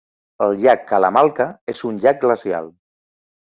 El llac Kalamalka és un llac glacial.